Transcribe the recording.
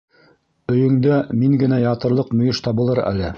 Өйөңдә мин генә ятырлыҡ мөйөш табылыр әле.